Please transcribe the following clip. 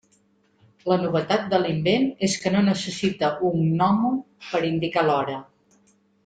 La novetat de l'invent és que no necessita un gnòmon per indicar l'hora.